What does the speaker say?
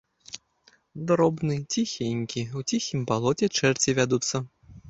Дробны, ціхенькі, у ціхім балоце чэрці вядуцца.